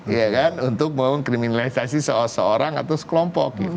iya kan untuk mengkriminalisasi seorang atau sekelompok gitu